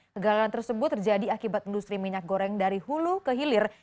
kegagalan tersebut terjadi akibat industri minyak goreng dari hulu ke hilir